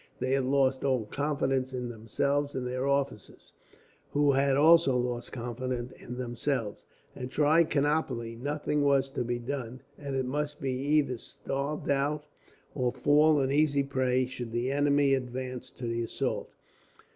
They had lost all confidence in themselves and their officers, who had also lost confidence in themselves. At Trichinopoli nothing was to be done, and it must be either starved out, or fall an easy prey should the enemy advance to the assault.